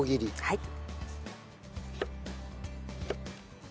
はい。